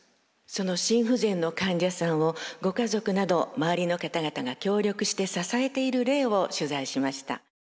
その心不全の患者さんをご家族など周りの方々が協力して支えている例を取材しました。